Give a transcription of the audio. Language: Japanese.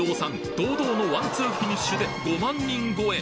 堂々のワンツーフィニッシュで５万人超え！